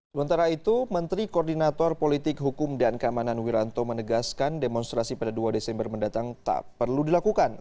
sementara itu menteri koordinator politik hukum dan keamanan wiranto menegaskan demonstrasi pada dua desember mendatang tak perlu dilakukan